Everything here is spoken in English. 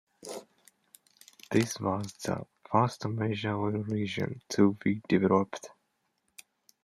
This was the first major oil region to be developed.